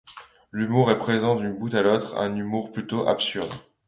L'humour est présent d'un bout à l'autre, un humour plutôt absurde.